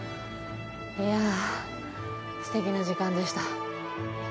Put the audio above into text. いや、すてきな時間でした。